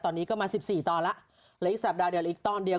ตอนนี้ก็มาสิบสี่ตอนแล้วเหลืออีกสัปดาห์เดี๋ยวอีกตอนเดียว